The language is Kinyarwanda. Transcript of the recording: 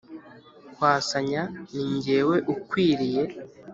kwasanya Ni jyewe ukwiriye